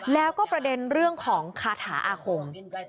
แล้วก็ประเด็นเรื่องของคาถาอาคม